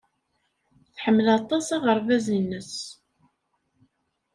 Tḥemmel aṭas aɣerbaz-nnes.